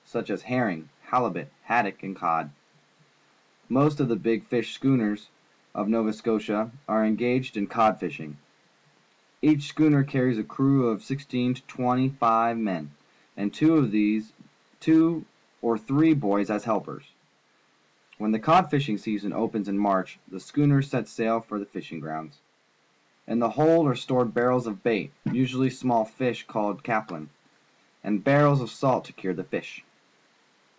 such as herring, halibut, haddock, and cod. Most of the big fishing schooners of Nova Scotia are engaged in cod fishing. Each schooner carries a crew of sixteen to twenty five men and two or three boys as helpers. \\lien the cod fishing season opens in March, the schooners set sail for the fishing grounds. In the hold are stored barrels of bait, usually small fish called caplin, and barrels of salt to cure the fish.